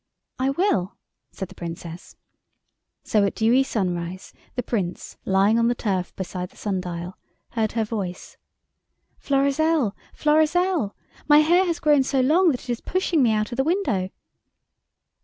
"I will," said the Princess. So at dewy sunrise the Prince, lying on the turf beside the sun dial, heard her voice— "Florizel! Florizel! My hair has grown so long that it is pushing me out of the window."